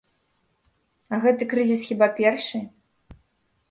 А гэты крызіс хіба першы?